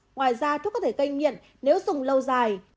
ngoài ra thuốc có thể gây nghiện nếu dùng lâu dài